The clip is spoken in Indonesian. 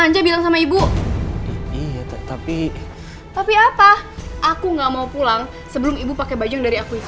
tapi apa aku gak mau pulang sebelum ibu pake bajeng dari aku itu